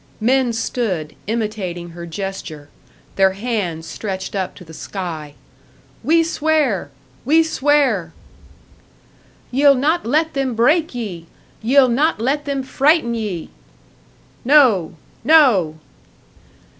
_" Men stood, imitating her gesture, their hands stretched up to the sky. "We swear! We swear!" "Ye'll not let them break ye! Ye'll not let them frighten ye!" "No! No!"